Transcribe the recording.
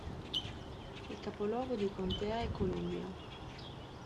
Il capoluogo di contea è Columbia.